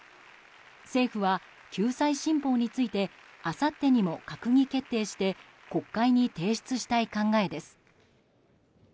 政府は救済新法についてあさってにも閣議決定して国会に提出したい考えです。